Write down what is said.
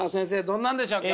どんなんでしょう？